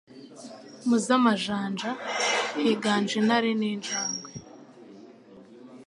Mu z'amajanja higanje intare n' injagwe